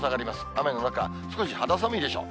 雨の中、少し肌寒いでしょう。